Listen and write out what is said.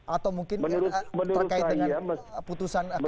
atau mungkin terkait dengan putusan